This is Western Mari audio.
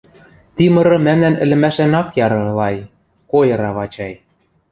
ти мыры мӓмнӓн ӹлӹмӓшлӓн ак яры-лай, — койыра Вачай.